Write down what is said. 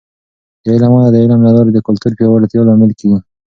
د علم وده د علم له لارې د کلتور پیاوړتیا لامل کیږي.